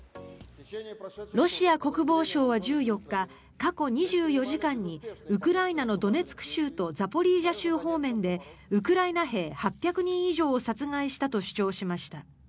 ロシア国防省は１４日過去２４時間にウクライナのドネツク州とザポリージャ州方面でウクライナ兵８００人以上を殺害したと主張しました。